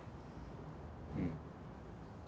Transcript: うん